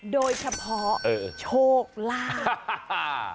โดยเฉพาะโชคลาภ